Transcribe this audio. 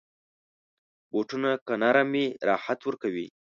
بوټونه که نرم وي، راحت ورکوي.